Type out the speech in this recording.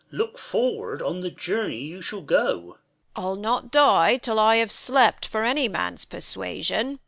Look forward on the journey you shall go. Bern. I'll not die till I have slept, for any Man's persuasion.